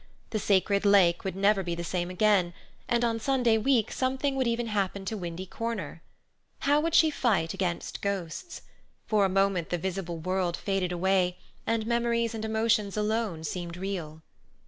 The Sacred Lake would never be the same again, and, on Sunday week, something would even happen to Windy Corner. How would she fight against ghosts? For a moment the visible world faded away, and memories and emotions alone seemed real.